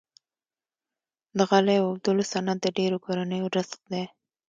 د غالۍ اوبدلو صنعت د ډیرو کورنیو رزق دی۔